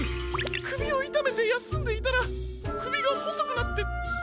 くびをいためてやすんでいたらくびがほそくなってこえまで。